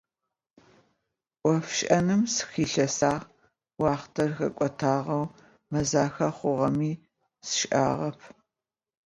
Ӏофшӏэным сыхилъэсагъ, уахътэр хэкӏотагъэу мэзахэ хъугъэми сшӏагъэп.